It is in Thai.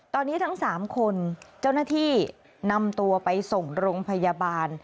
ตอนนี้ทั้ง๓คนเจ้าหน้าที่นำตัวไปส่งโรงพยาบาล